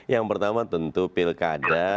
yang pertama tentu pilkada